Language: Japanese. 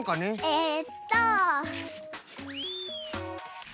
えっと。